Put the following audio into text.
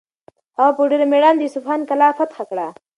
هغه په ډېر مېړانه د اصفهان کلا فتح کړه.